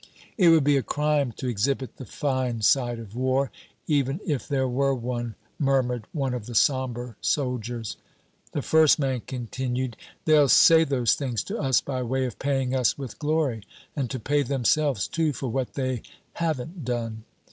"It would be a crime to exhibit the fine side of war, even if there were one!" murmured one of the somber soldiers. The first man continued. "They'll say those things to us by way of paying us with glory, and to pay themselves, too, for what they haven't done.